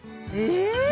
え？